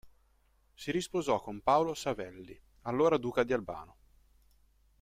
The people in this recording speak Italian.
Si risposò con Paolo Savelli, allora duca di Albano.